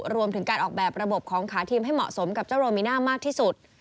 รวมถึงการออกแบบระบบของขาทีมให้เหมาะสมกับเจ้าโรมิน่ามากที่สุด